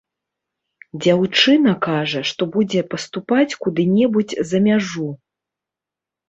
Дзяўчына кажа, што будзе паступаць куды-небудзь за мяжу.